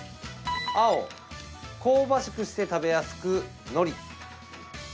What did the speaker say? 青・香ばしくして食べやすくのり。